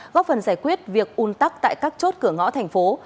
góp phần giải quyết việc un tắc tại các chốt cửa ngõ thành phố